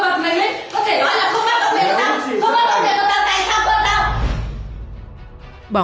không bắt bọn người của ta tại sao không bắt bọn tao